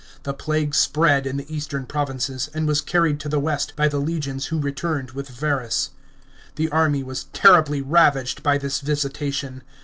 The plague spread in the eastern provinces, and was carried to the west by the legions who returned with Verus. The army was terribly ravaged by this visitation.